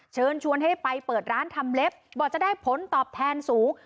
เชิญชวนให้ไปเปิดร้านทำเล็บบอกจะได้ผลตอบแทนสูง